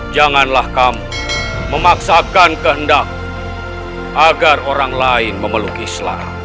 janganlah kamu memaksakan kehendak agar orang lain memeluk islah